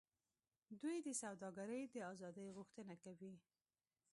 دوی د سوداګرۍ د آزادۍ غوښتنه کوي